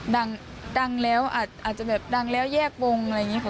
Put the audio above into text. ดังแล้วอาจจะแบบดังแล้วแยกวงอะไรอย่างนี้ค่ะ